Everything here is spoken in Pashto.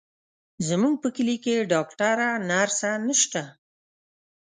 زموږ په کلي کې ډاکتره، نرسه نشته،